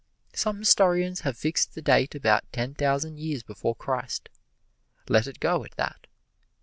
Some historians have fixed the date about ten thousand years before Christ let it go at that.